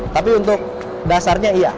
tapi untuk dasarnya iya